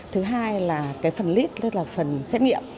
thứ hai là cái phần lit tức là phần xét nghiệm